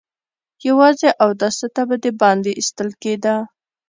يواځې اوداسه ته به د باندې ايستل کېده.